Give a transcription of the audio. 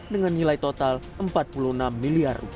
dengan nilai total rp empat puluh enam miliar